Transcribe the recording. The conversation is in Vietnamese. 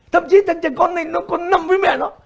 thậm chí thằng trẻ con này nó còn nằm với mẹ nó